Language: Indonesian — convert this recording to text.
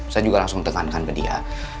saya juga langsung tekankan ke dia